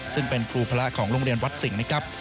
ซึ่งเป็นครูพระของโรงเรียนวัดสิงห์นะครับ